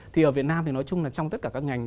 thì ở việt nam thì nói chung là trong tất cả các ngành